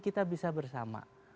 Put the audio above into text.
kita bisa bersama